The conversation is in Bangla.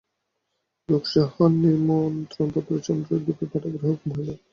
লোকসহ নিমন্ত্রণপত্র চন্দ্রদ্বীপে পাঠাইবার হুকুম হইল।